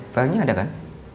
filenya ada kan